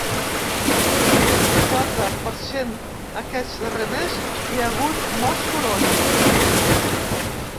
Vuitanta-quatre per cent Aquest darrer mes hi ha hagut molt soroll.